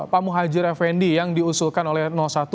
pak muhadjir effendi yang diusulkan oleh satu